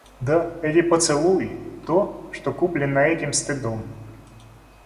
Да, эти поцелуи — то, что куплено этим стыдом.